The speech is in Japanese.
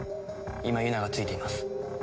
今ユナがついています。